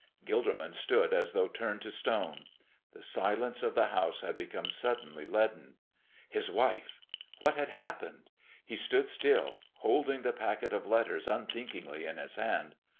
Gilderman stood as though turned to stone; the silence of the house had become suddenly leaden. His wife! What had happened? He stood still, holding the packet of letters unthinkingly in his hand.